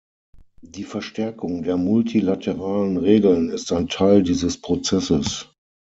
Die Verstärkung der multilateralen Regeln ist ein Teil dieses Prozesses.